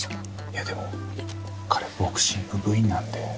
いやでも彼ボクシング部員なんで。